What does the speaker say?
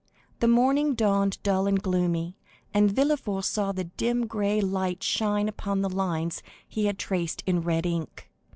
The morning dawned dull and gloomy, and Villefort saw the dim gray light shine upon the lines he had traced in red ink.